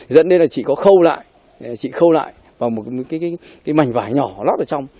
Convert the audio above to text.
dẫn đến là chị có khâu lại chị khâu lại vào một cái mảnh vải nhỏ lót ở trong